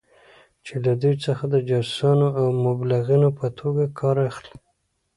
چې له دوی څخه د جاسوسانو او مبلغینو په توګه کار اخلي.